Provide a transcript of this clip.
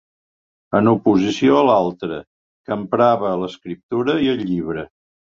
En oposició a l’altra que emprava l’escriptura i el llibre.